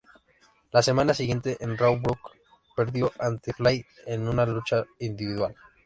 La semana siguiente en Raw, Brooke perdió ante Flair en una lucha individual.